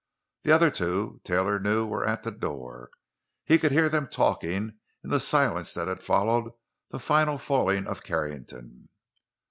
The other two, Taylor knew, were at the door—he could hear them talking in the silence that had followed the final falling of Carrington.